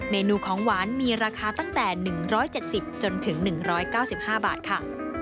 เมนูของหวานมีราคาตั้งแต่๑๗๐จนถึง๑๙๕บาทค่ะ